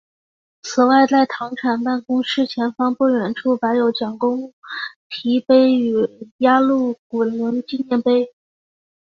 此外在糖厂办公室前方不远处摆有蒋公堤碑与压路滚轮纪念碑。